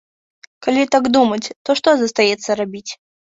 Калі так думаць, то што застаецца рабіць?